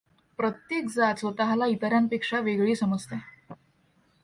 प्रत्येक जात स्वतःला इतरांपेक्षा वेगळी समजते.